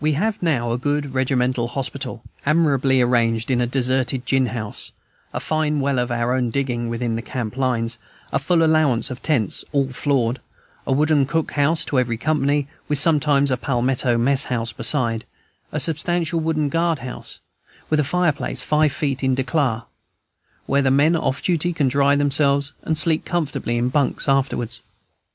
We have now a good regimental hospital, admirably arranged in a deserted gin house, a fine well of our own digging, within the camp lines, a full allowance of tents, all floored, a wooden cook house to every company, with sometimes a palmetto mess house beside, a substantial wooden guard house, with a fireplace five feet "in de clar," where the men off duty can dry themselves and sleep comfortably in bunks afterwards.